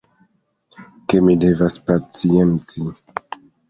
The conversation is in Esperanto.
Ke mi devas pacienci.